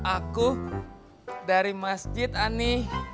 aku dari masjid ani